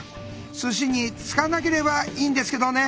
寿司につかなければいいんですけどね。